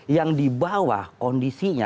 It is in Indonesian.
yang di bawah kondisinya